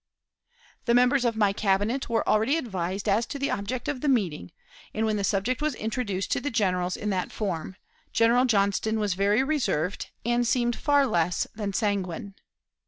The members of my Cabinet were already advised as to the object of the meeting, and, when the subject was introduced to the generals in that form, General Johnston was very reserved, and seemed far less than sanguine.